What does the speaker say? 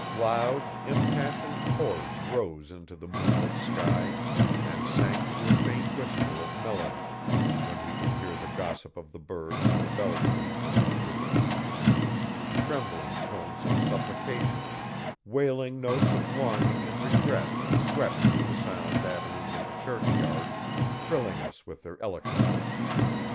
Loud, impassioned chords rose into the moonlit sky and sank to a faint whisper of melody, when we could hear the gossip of the birds in the belfry and under the eaves; trembling tones of supplication, wailing notes of longing and regret swept through the silent avenues of the churchyard, thrilling us with their eloquence.